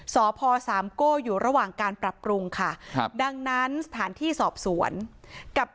สพสามโก้อยู่ระหว่างการปรับปรุงค่ะครับดังนั้นสถานที่สอบสวนกับ